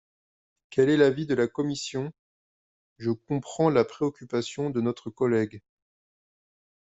Quel est l’avis de la commission ? Je comprends la préoccupation de notre collègue.